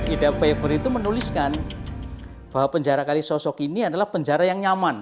ida pever itu menuliskan bahwa penjara kali sosok ini adalah penjara yang nyaman